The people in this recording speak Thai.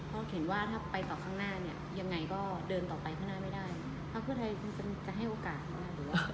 เพราะเห็นว่าถ้าไปต่อข้างหน้าเนี่ยยังไงก็เดินต่อไปข้างหน้าไม่ได้พักเพื่อไทยคงจะให้โอกาสมากหรือว่า